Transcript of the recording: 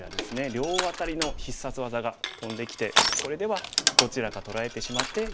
両アタリの必殺技が飛んできてこれではどちらか取られてしまってよくないですね。